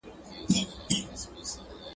د گران رانيول څه دي، د ارزان خرڅول څه دي.